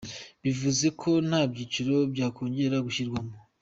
Bivuze ko nta byiciro byakongera gushyirwamo.